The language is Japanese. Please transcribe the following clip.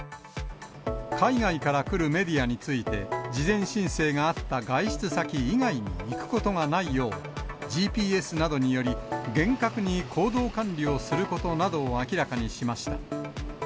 海外から来るメディアについて、事前申請があった外出先以外に行くことがないよう、ＧＰＳなどにより、厳格に行動管理をすることなどを明らかにしました。